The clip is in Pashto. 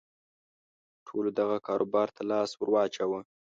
ټولو دغه کاروبار ته لاس ور واچاوه.